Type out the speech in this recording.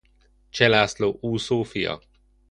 Cseh László úszó fia.